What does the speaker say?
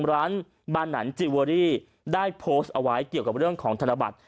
ร้านบานันจิเวอรี่ได้โพสต์เอาไว้เกี่ยวกับเรื่องของธนบัตร